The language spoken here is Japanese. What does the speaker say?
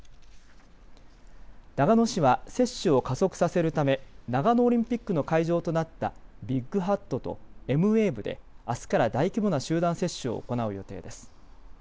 長野市は接種を加速させるため長野オリンピックの会場となったビッグハットとエムウェーブであすから大規模な集団接種を行う予定です。